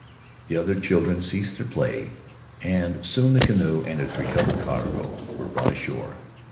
The other children ceased their play and soon the canoe and its recovered cargo were brought ashore.